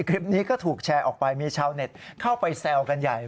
คลิปนี้ก็ถูกแชร์ออกไปมีชาวเน็ตเข้าไปแซวกันใหญ่